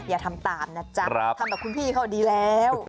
อย่าทำตามนะจ๊ะทำแบบคุณพี่เขาดีแล้ว